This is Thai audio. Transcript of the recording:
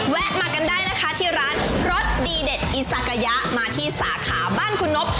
มากันได้นะคะที่ร้านรสดีเด็ดอีซากายะมาที่สาขาบ้านคุณนบ